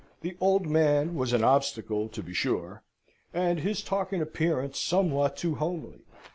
The old man was an obstacle, to be sure, and his talk and appearance somewhat too homely.